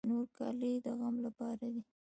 تور کالي د غم لپاره دي.